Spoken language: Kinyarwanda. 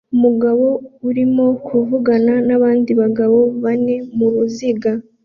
Umugabo urimo kuvugana nabandi bagabo bane muruziga